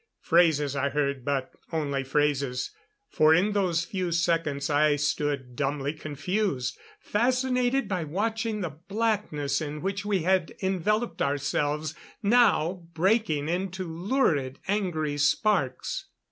Phrases I heard; but only phrases, for in those few seconds I stood dumbly confused, fascinated by watching the blackness in which we had enveloped ourselves now breaking into lurid, angry sparks.